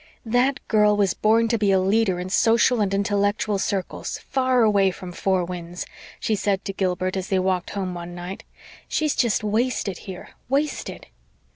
"That girl was born to be a leader in social and intellectual circles, far away from Four Winds," she said to Gilbert as they walked home one night. "She's just wasted here wasted."